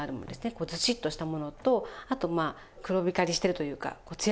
こうずしっとしたものとあとまあ黒光りしてるというかこうツヤのいいもの。